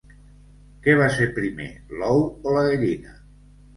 Què va ser primer, l'ou o la gallina?